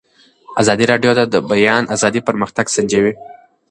ازادي راډیو د د بیان آزادي پرمختګ سنجولی.